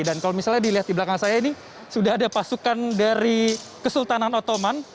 dan kalau misalnya dilihat di belakang saya ini sudah ada pasukan dari kesultanan ottoman